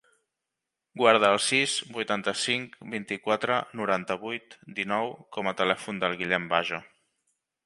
Guarda el sis, vuitanta-cinc, vint-i-quatre, noranta-vuit, dinou com a telèfon del Guillem Bajo.